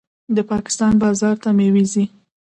د پاکستان بازار ته میوې ځي.